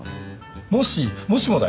もしもしもだよ